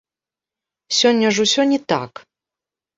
Сёння ж усё не так!